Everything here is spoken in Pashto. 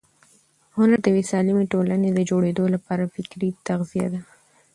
هنر د یوې سالمې ټولنې د جوړېدو لپاره فکري تغذیه ده.